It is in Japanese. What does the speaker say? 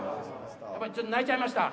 やっぱりちょっと泣いちゃいました？